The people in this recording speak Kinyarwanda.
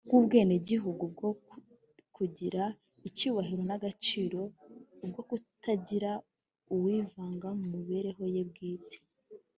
Bw umwenegihugu bwo kugira icyubahiro n agaciro ubwo kutagira uwivanga mu mibereho ye bwite